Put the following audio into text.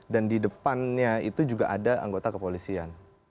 dan di depannya itu juga ada anggota kepolisian